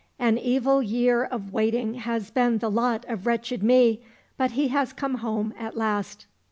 An evil year of waiting has been the lot of wretched me, but he has come home at last."